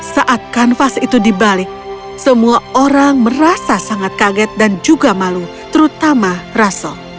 saat kanvas itu dibalik semua orang merasa sangat kaget dan juga malu terutama russel